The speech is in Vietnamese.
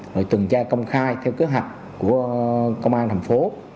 rồi tuần tra công khai theo kế hoạch của công an tp